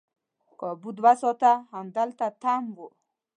کابو دوه ساعته همدلته تم وو.